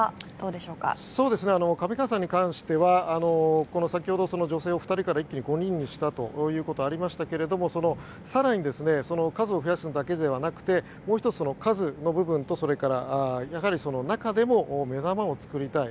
上川さんに関しては先ほど女性を２人から一気に５人にしたということがありましたが更に数を増やすだけではなくてもう１つ数の部分とそれから中でも目玉を作りたい。